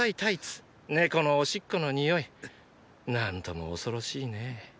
猫のおしっこの臭い何とも恐ろしいねぇ。